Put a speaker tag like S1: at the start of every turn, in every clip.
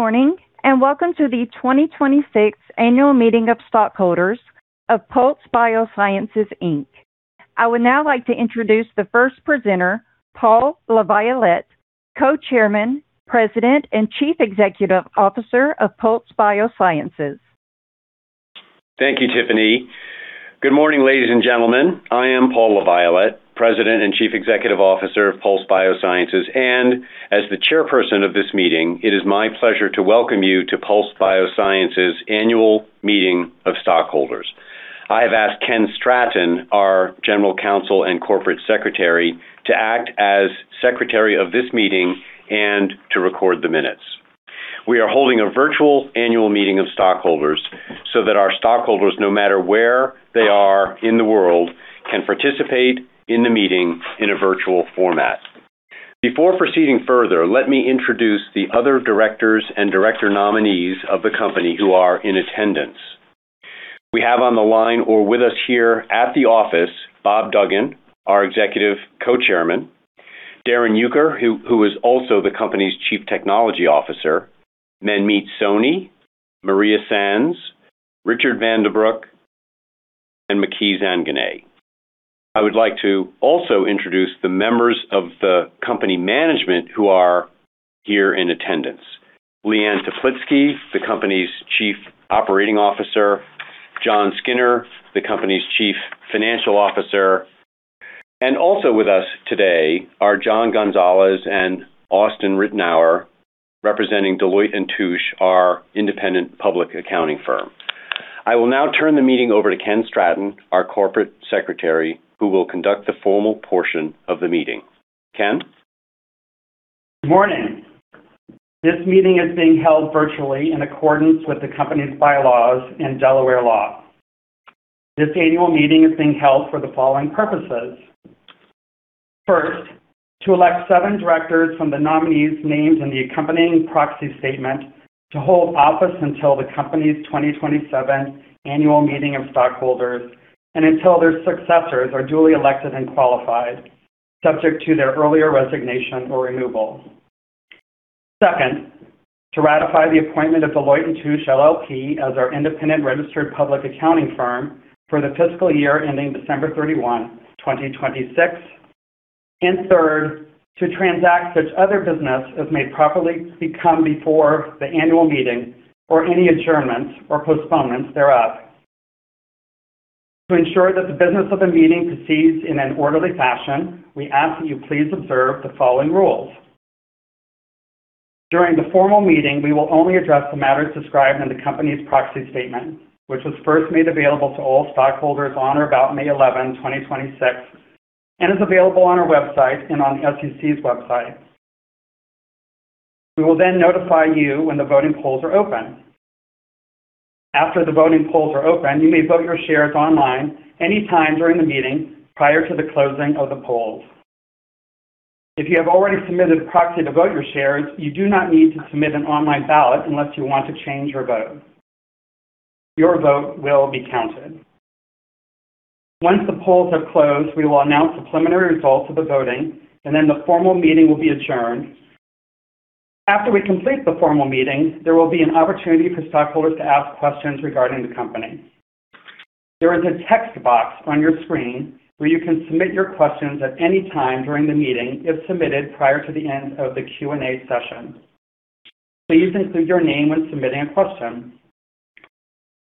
S1: Good morning, welcome to the 2026 Annual Meeting of Stockholders of Pulse Biosciences, Inc. I would now like to introduce the first presenter, Paul LaViolette, Co-Chairman, President, and Chief Executive Officer of Pulse Biosciences.
S2: Thank you, Tiffany. Good morning, ladies and gentlemen. I am Paul LaViolette, President and Chief Executive Officer of Pulse Biosciences, and as the Chairperson of this meeting, it is my pleasure to welcome you to Pulse Biosciences Annual Meeting of Stockholders. I have asked Ken Stratton, our General Counsel and Corporate Secretary, to act as secretary of this meeting and to record the minutes. We are holding a virtual annual meeting of stockholders so that our stockholders, no matter where they are in the world, can participate in the meeting in a virtual format. Before proceeding further, let me introduce the other directors and director nominees of the company who are in attendance. We have on the line or with us here at the office, Robert Duggan, our Executive Co-Chairman, Darrin Uecker, who is also the company's Chief Technology Officer, Manmeet Soni, Maria Sainz, Richard van den Broek, and Maky Zanganeh. I would like to also introduce the members of the company management who are here in attendance. Liane Teplitsky, the company's Chief Operating Officer, Jon Skinner, the company's Chief Financial Officer, and also with us today are Jon Gonzalez and Austin Ritenour, representing Deloitte & Touche, our independent public accounting firm. I will now turn the meeting over to Ken Stratton, our Corporate Secretary, who will conduct the formal portion of the meeting. Ken?
S3: Morning. This meeting is being held virtually in accordance with the company's bylaws and Delaware law. This annual meeting is being held for the following purposes. First, to elect seven directors from the nominees' names in the accompanying proxy statement to hold office until the company's 2027 Annual Meeting of Stockholders and until their successors are duly elected and qualified, subject to their earlier resignation or removal. Second, to ratify the appointment of Deloitte & Touche LLP as our independent registered public accounting firm for the fiscal year ending December 31, 2026. Third, to transact such other business as may properly come before the annual meeting or any adjournment or postponements thereof. To ensure that the business of the meeting proceeds in an orderly fashion, we ask that you please observe the following rules. During the formal meeting, we will only address the matters described in the company's proxy statement, which was first made available to all stockholders on or about May 11, 2026, and is available on our website and on the SEC's website. We will notify you when the voting polls are open. After the voting polls are open, you may vote your shares online anytime during the meeting prior to the closing of the polls. If you have already submitted a proxy to vote your shares, you do not need to submit an online ballot unless you want to change your vote. Your vote will be counted. Once the polls have closed, we will announce the preliminary results of the voting, the formal meeting will be adjourned. After we complete the formal meeting, there will be an opportunity for stockholders to ask questions regarding the company. There is a text box on your screen where you can submit your questions at any time during the meeting if submitted prior to the end of the Q&A session. Please include your name when submitting a question.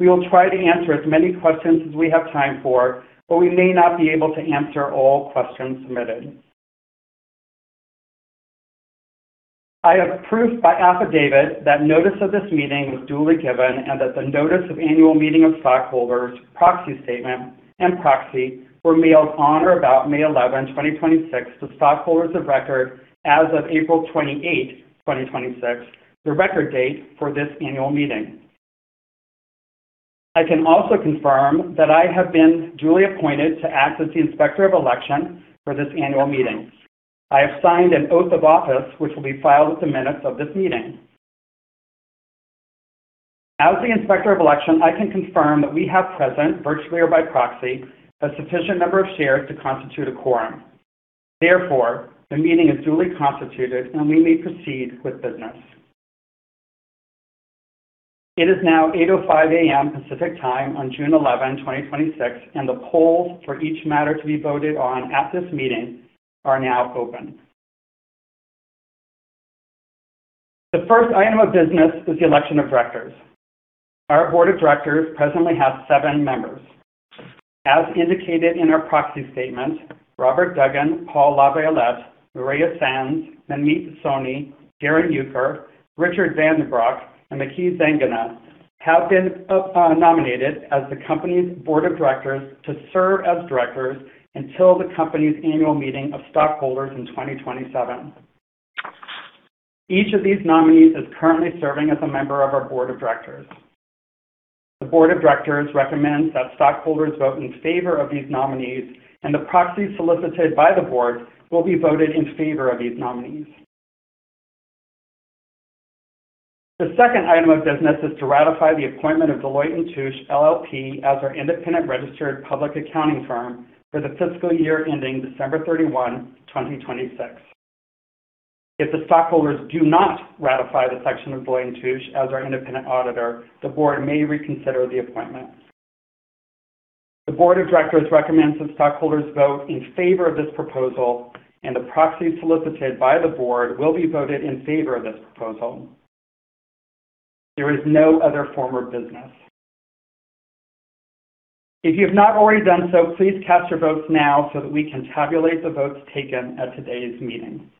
S3: We will try to answer as many questions as we have time for, but we may not be able to answer all questions submitted. I have proof by affidavit that notice of this meeting was duly given and that the Notice of Annual Meeting of Stockholders, Proxy Statement, and Proxy were mailed on or about May 11, 2026 to stockholders of record as of April 28, 2026, the record date for this annual meeting. I can also confirm that I have been duly appointed to act as the Inspector of Election for this annual meeting. I have signed an oath of office, which will be filed with the minutes of this meeting. As the Inspector of Election, I can confirm that we have present, virtually or by proxy, a sufficient number of shares to constitute a quorum. The meeting is duly constituted, and we may proceed with business. It is now 8:05 A.M. Pacific Time on June 11, 2026, the polls for each matter to be voted on at this meeting are now open. The first item of business is the election of directors. Our board of directors presently has seven members. As indicated in our proxy statement, Robert Duggan, Paul LaViolette, Maria Sainz, Manmeet Soni, Darrin Uecker, Richard van den Broek, and Maky Zanganeh have been nominated as the company's board of directors to serve as directors until the company's annual meeting of stockholders in 2027. Each of these nominees is currently serving as a member of our board of directors. The board of directors recommends that stockholders vote in favor of these nominees, the proxies solicited by the board will be voted in favor of these nominees. The second item of business is to ratify the appointment of Deloitte & Touche LLP as our independent registered public accounting firm for the fiscal year ending December 31, 2026. If the stockholders do not ratify the selection of Deloitte & Touche as our independent auditor, the board may reconsider the appointment. The board of directors recommends that stockholders vote in favor of this proposal, the proxy solicited by the board will be voted in favor of this proposal. There is no other form of business. If you have not already done so, please cast your votes now so that we can tabulate the votes taken at today's meeting.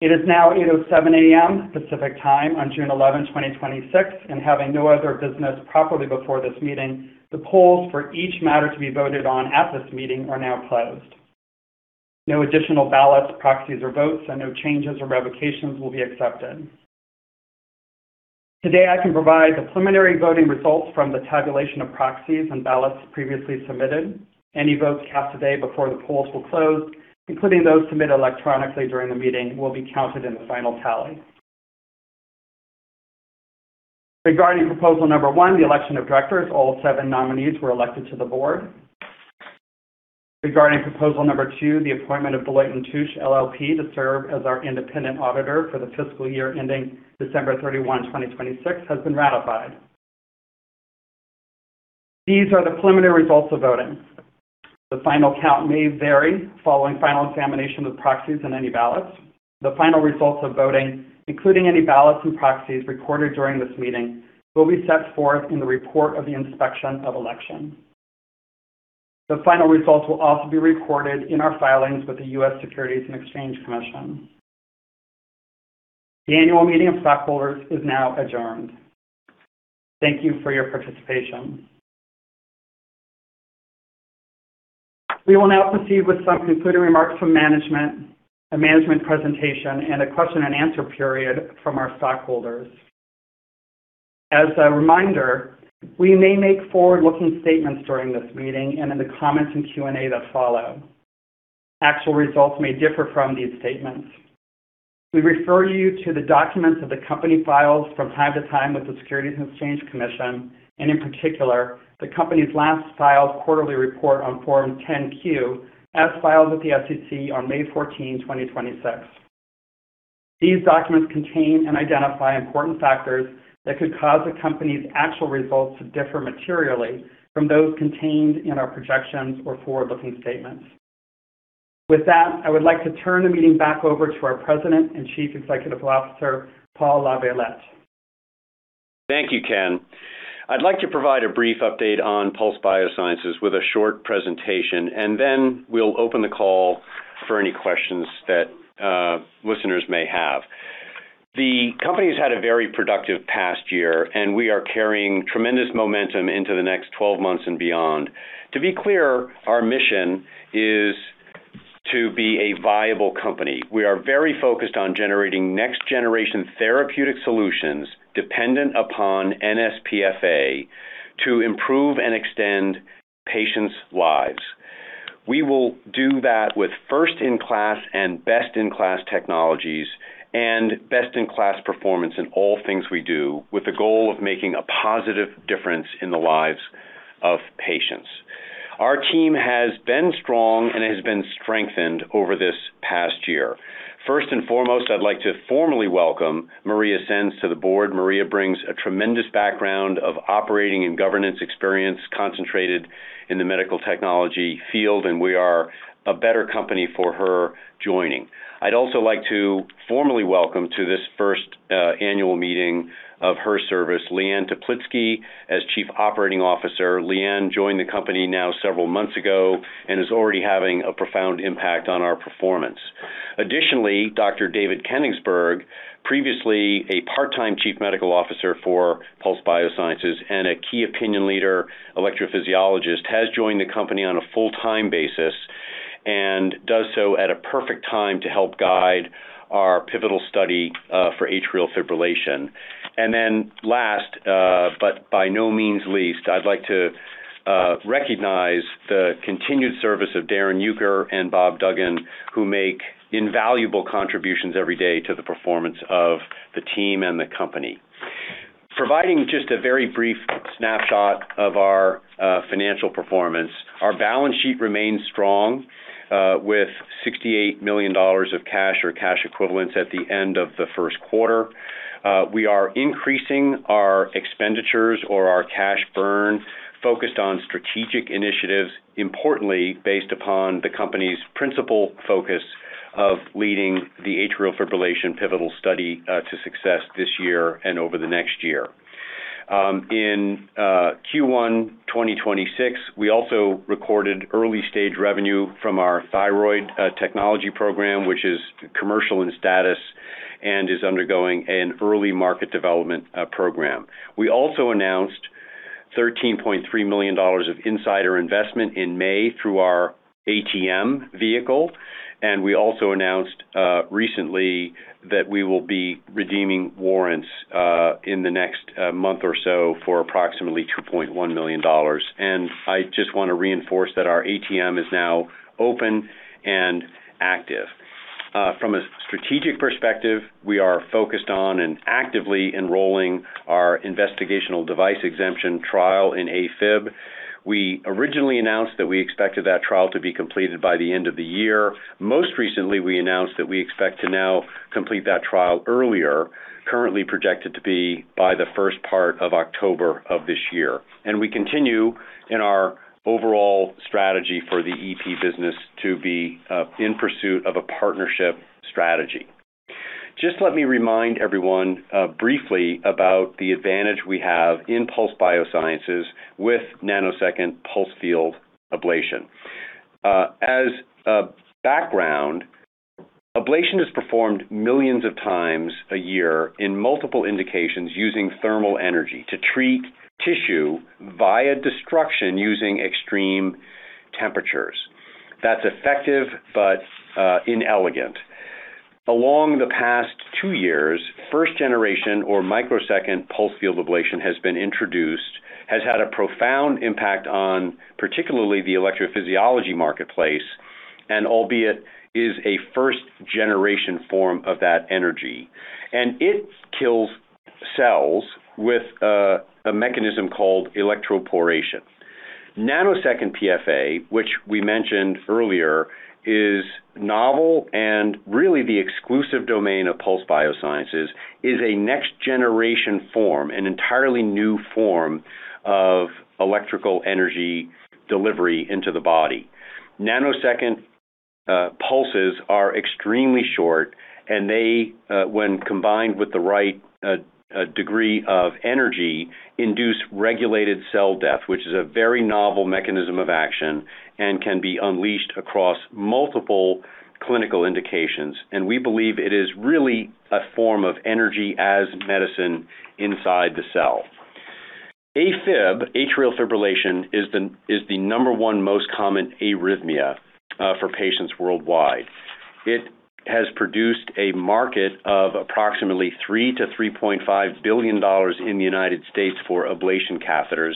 S3: It is now 8:07 A.M. Pacific Time on June 11, 2026. Having no other business properly before this meeting, the polls for each matter to be voted on at this meeting are now closed. No additional ballots, proxies, or votes, and no changes or revocations will be accepted. Today, I can provide the preliminary voting results from the tabulation of proxies and ballots previously submitted. Any votes cast today before the polls will close, including those submitted electronically during the meeting, will be counted in the final tally. Regarding proposal number one, the election of directors, all seven nominees were elected to the board. Regarding proposal number two, the appointment of Deloitte & Touche LLP to serve as our independent auditor for the fiscal year ending December 31, 2026, has been ratified. These are the preliminary results of voting. The final count may vary following final examination of proxies and any ballots. The final results of voting, including any ballots and proxies recorded during this meeting, will be set forth in the report of the inspection of election. The final results will also be recorded in our filings with the U.S. Securities and Exchange Commission. The annual meeting of stockholders is now adjourned. Thank you for your participation. We will now proceed with some concluding remarks from management, a management presentation, and a question and answer period from our stockholders. As a reminder, we may make forward-looking statements during this meeting and in the comments in Q&A that follow. Actual results may differ from these statements. We refer you to the documents that the company files from time to time with the Securities and Exchange Commission. In particular, the company's last filed quarterly report on Form 10-Q, as filed with the SEC on May 14, 2026. These documents contain and identify important factors that could cause the company's actual results to differ materially from those contained in our projections or forward-looking statements. With that, I would like to turn the meeting back over to our President and Chief Executive Officer, Paul LaViolette.
S2: Thank you, Ken. I'd like to provide a brief update on Pulse Biosciences with a short presentation. Then we'll open the call for any questions that listeners may have. The company's had a very productive past year. We are carrying tremendous momentum into the next 12 months and beyond. To be clear, our mission is to be a viable company. We are very focused on generating next-generation therapeutic solutions dependent upon nsPFA to improve and extend patients' lives. We will do that with first-in-class and best-in-class technologies and best-in-class performance in all things we do with the goal of making a positive difference in the lives of patients. Our team has been strong and has been strengthened over this past year. First and foremost, I'd like to formally welcome Maria Sainz to the board. Maria brings a tremendous background of operating and governance experience concentrated in the medical technology field, and we are a better company for her joining. I'd also like to formally welcome to this first annual meeting of her service, Liane Teplitsky, as Chief Operating Officer. Liane joined the company now several months ago and is already having a profound impact on our performance. Additionally, Dr. David Kenigsberg, previously a part-time Chief Medical Officer for Pulse Biosciences and a key opinion leader electrophysiologist, has joined the company on a full-time basis and does so at a perfect time to help guide our pivotal study for atrial fibrillation. Last, but by no means least, I'd like to recognize the continued service of Darrin Uecker and Robert Duggan, who make invaluable contributions every day to the performance of the team and the company. Providing just a very brief snapshot of our financial performance. Our balance sheet remains strong with $68 million of cash or cash equivalents at the end of the first quarter. We are increasing our expenditures or our cash burn focused on strategic initiatives, importantly based upon the company's principal focus of leading the atrial fibrillation pivotal study to success this year and over the next year. In Q1 2026, we also recorded early-stage revenue from our thyroid technology program, which is commercial in status and is undergoing an early market development program. We also announced $13.3 million of insider investment in May through our ATM vehicle. We also announced recently that we will be redeeming warrants in the next month or so for approximately $2.1 million. I just want to reinforce that our ATM is now open and active. From a strategic perspective, we are focused on and actively enrolling our Investigational Device Exemption trial in AFib. We originally announced that we expected that trial to be completed by the end of the year. Most recently, we announced that we expect to now complete that trial earlier, currently projected to be by the first part of October of this year. We continue in our overall strategy for the EP business to be in pursuit of a partnership strategy. Just let me remind everyone briefly about the advantage we have in Pulse Biosciences with Nanosecond Pulsed Field Ablation. As a background, ablation is performed millions of times a year in multiple indications using thermal energy to treat tissue via destruction using extreme temperatures. That's effective but inelegant. Over the past two years, first generation or microsecond pulse field ablation has been introduced, has had a profound impact on particularly the electrophysiology marketplace, and albeit is a first-generation form of that energy. It kills cells with a mechanism called electroporation. Nanosecond PFA, which we mentioned earlier, is novel and really the exclusive domain of Pulse Biosciences, is a next generation form, an entirely new form of electrical energy delivery into the body. Nanosecond pulses are extremely short, and they, when combined with the right degree of energy, induce regulated cell death, which is a very novel mechanism of action and can be unleashed across multiple clinical indications. We believe it is really a form of energy as medicine inside the cell. AFib, atrial fibrillation, is the number 1 most common arrhythmia for patients worldwide. It has produced a market of approximately $3 billion-$3.5 billion in the U.S. for ablation catheters.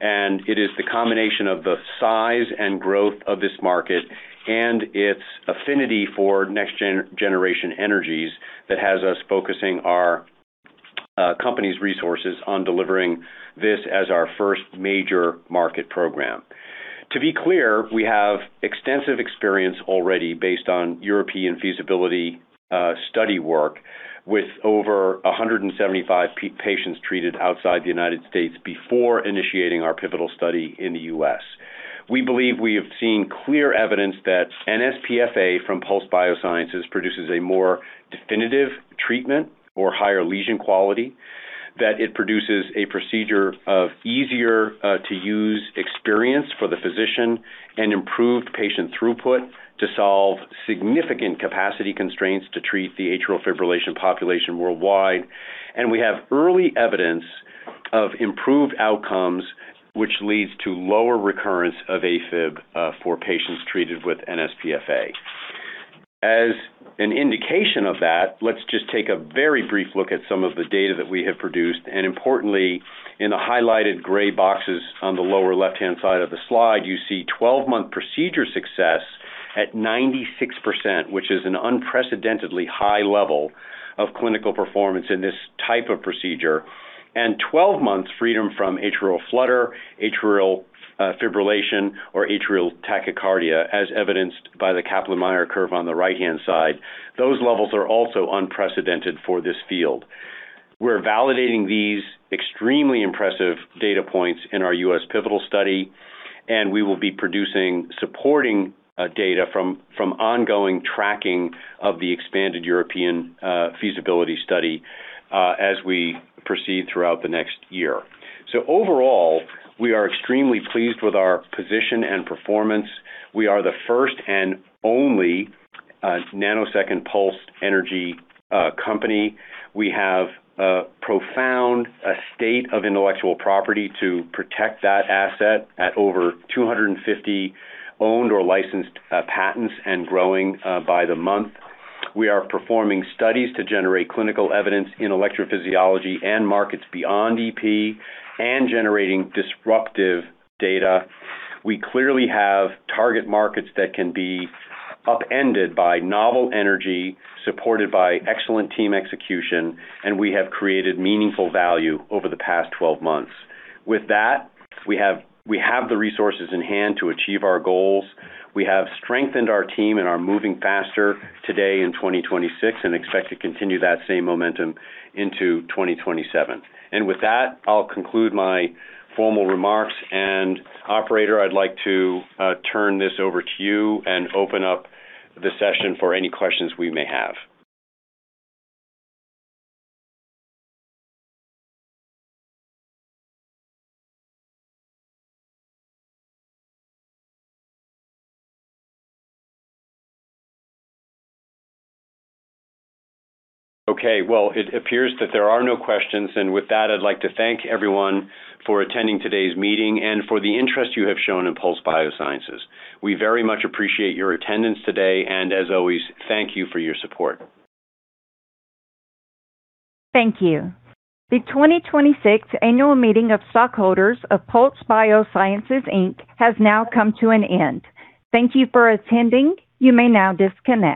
S2: It is the combination of the size and growth of this market and its affinity for next generation energies that has us focusing our company's resources on delivering this as our first major market program. To be clear, we have extensive experience already based on European feasibility study work with over 175 patients treated outside the U.S. before initiating our pivotal study in the U.S. We believe we have seen clear evidence that nsPFA from Pulse Biosciences produces a more definitive treatment or higher lesion quality, that it produces a procedure of easier to use experience for the physician, and improved patient throughput to solve significant capacity constraints to treat the atrial fibrillation population worldwide. We have early evidence of improved outcomes, which leads to lower recurrence of AFib for patients treated with nsPFA. As an indication of that, let's just take a very brief look at some of the data that we have produced. Importantly, in the highlighted gray boxes on the lower left-hand side of the slide, you see 12-month procedure success at 96%, which is an unprecedentedly high level of clinical performance in this type of procedure, and 12-month freedom from atrial flutter, atrial fibrillation, or atrial tachycardia, as evidenced by the Kaplan-Meier curve on the right-hand side. Those levels are also unprecedented for this field. We are validating these extremely impressive data points in our U.S. pivotal study. We will be producing supporting data from ongoing tracking of the expanded European feasibility study as we proceed throughout the next year. Overall, we are extremely pleased with our position and performance. We are the first and only nanosecond pulse energy company. We have a profound estate of intellectual property to protect that asset at over 250 owned or licensed patents and growing by the month. We are performing studies to generate clinical evidence in electrophysiology and markets beyond EP and generating disruptive data. We clearly have target markets that can be upended by novel energy, supported by excellent team execution. We have created meaningful value over the past 12 months. With that, we have the resources in hand to achieve our goals. We have strengthened our team and are moving faster today in 2026, and expect to continue that same momentum into 2027. With that, I'll conclude my formal remarks. Operator, I'd like to turn this over to you and open up the session for any questions we may have. Well, it appears that there are no questions. With that, I'd like to thank everyone for attending today's meeting and for the interest you have shown in Pulse Biosciences. We very much appreciate your attendance today, and as always, thank you for your support.
S1: Thank you. The 2026 Annual Meeting of Stockholders of Pulse Biosciences, Inc. has now come to an end. Thank you for attending. You may now disconnect.